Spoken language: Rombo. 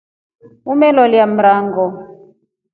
Umeloliya mrango.